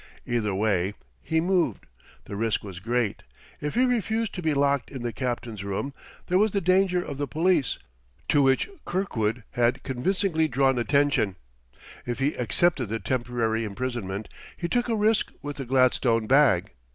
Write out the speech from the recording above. Either way he moved, the risk was great; if he refused to be locked in the captain's room, there was the danger of the police, to which Kirkwood had convincingly drawn attention; if he accepted the temporary imprisonment, he took a risk with the gladstone bag.